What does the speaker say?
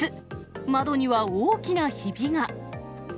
窓には大きなひびが。